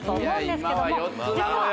今は４つなのよ